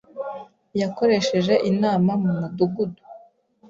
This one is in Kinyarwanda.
yakoresheje inama mu Mudugudu